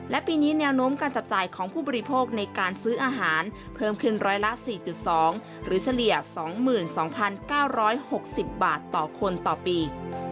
และปีนี้แนวโน้มการจับจ่ายของผู้บริโภคในการซื้ออาหารเพิ่มขึ้นร้อยละ๔๒หรือเฉลี่ย๒๒๙๖๐บาทต่อคนต่อปี